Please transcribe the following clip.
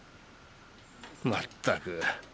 まったく。